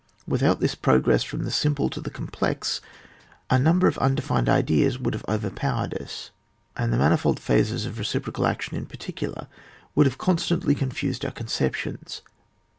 Without this progress from the simple to the complex, a num ber of undefined ideas would have over powered us, and the manifold phases of reciprocal action in particular would have constantly confused our conceptions.